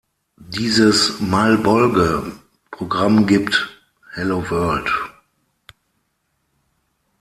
Dieses Malbolge-Programm gibt "Hello, world.